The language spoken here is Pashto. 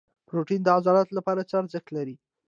پروټین د عضلاتو لپاره څه ارزښت لري؟